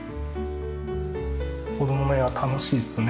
子供の絵は楽しいですね。